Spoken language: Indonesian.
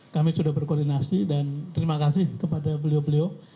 kami sudah berkoordinasi dan terima kasih kepada beliau beliau